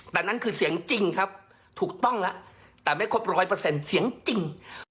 แต่นั่นคือเสียงจริงครับถูกต้องแล้วแต่ไม่ครบร้อยเปอร์เซ็นต์เสียงจริง